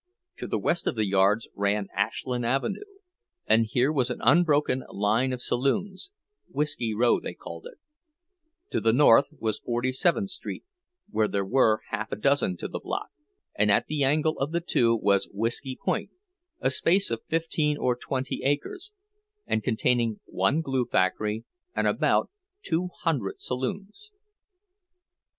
To the west of the yards ran Ashland Avenue, and here was an unbroken line of saloons—"Whiskey Row," they called it; to the north was Forty seventh Street, where there were half a dozen to the block, and at the angle of the two was "Whiskey Point," a space of fifteen or twenty acres, and containing one glue factory and about two hundred saloons.